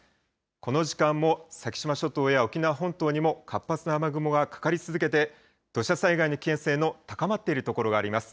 この時間も先島諸島や沖縄本島にも活発な雨雲がかかり続けて、土砂災害の危険性の高まっている所があります。